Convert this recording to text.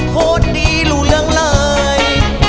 โคตรดีรู้เรื่องเลย